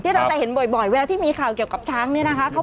เราจะเห็นบ่อยเวลาที่มีข่าวเกี่ยวกับช้างเนี่ยนะคะ